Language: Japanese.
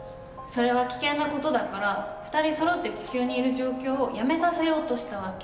それは危険な事だから２人そろって地球にいる状況をやめさせようとした訳。